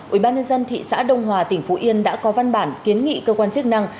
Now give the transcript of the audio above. ubnd thị xã đông hòa tỉnh phú yên đã có văn bản kiến nghị cơ quan chức năng